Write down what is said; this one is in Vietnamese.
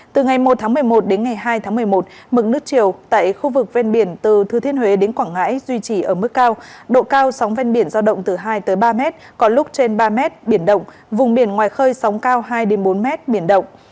từ ngày một tháng một mươi một đến ngày hai tháng một mươi một mực nước chiều tại khu vực ven biển từ thư thiên huế đến quảng ngãi duy trì ở mức cao độ cao sóng ven biển giao động từ hai ba m có lúc trên ba m biển động vùng biển ngoài khơi sóng cao hai bốn m biển động